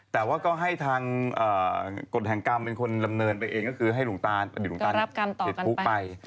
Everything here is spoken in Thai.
แต่ว่าก็ให้ทางกฎแห่งกรรมเป็นคนดำเนินไปเองก็คือให้อดีตหลวงตาติดคุกไป